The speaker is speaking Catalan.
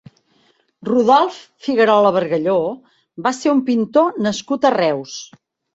Rodolf Figuerola Bargalló va ser un pintor nascut a Reus.